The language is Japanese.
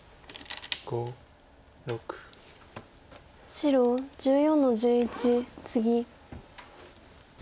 白１４の十一ツギ。